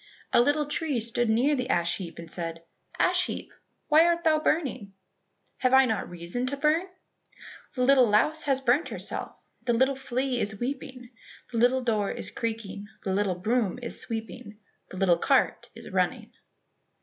A little tree stood near the ash heap and said, "Ash heap, why art thou burning?" "Have I not reason to burn?" "The little louse has burnt herself, The little flea is weeping, The little door is creaking, The little broom is sweeping, The little cart is running."